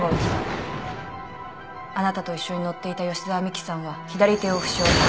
あなたと一緒に乗っていた吉沢未希さんは左手を負傷。